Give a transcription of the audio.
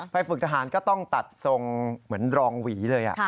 ฝึกทหารก็ต้องตัดทรงเหมือนรองหวีเลย